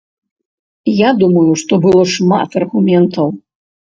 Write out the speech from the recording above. Я думаю, што было шмат аргументаў.